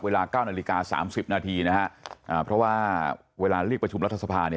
เวลา๙นาฬิกา๓๐นาทีนะครับเพราะว่าเวลาเรียกประชุมรัฐสภา